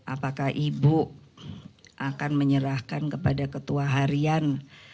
apakah ibu akan menyerahkan kepada ketua harian